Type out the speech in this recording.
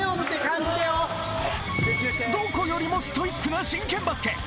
どこよりもストイックな真剣バスケ